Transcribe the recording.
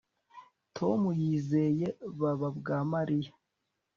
Tom yizeye baba bwa Mariya